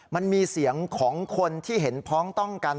มันมีเสียงของคนที่เห็นพ้องต้องกัน